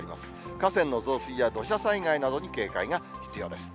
河川の増水や土砂災害などに警戒が必要です。